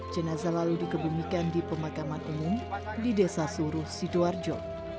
jenazah lalu dikebumikan di pemakaman umum di desa suruh sidoarjo